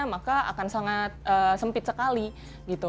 maka akan sangat sempit sekali gitu